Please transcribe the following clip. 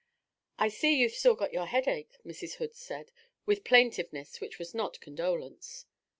'I see you've still got your headache,' Mrs. Hood said, with plaintiveness which was not condolence.